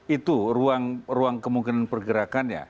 itu ruang kemungkinan pergerakannya